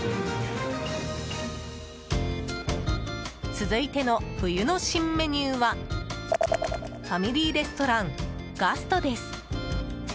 続いての冬の新メニューはファミリーレストランガストです。